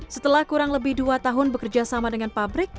setelah kurang lebih dua tahun bekerja sama dengan pabrik